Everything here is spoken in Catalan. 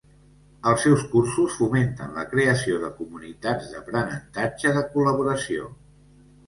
Els seus cursos fomenten la creació de comunitats d'aprenentatge de col·laboració.